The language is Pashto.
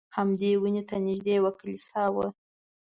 همدې ونې ته نږدې یوه کلیسا وه.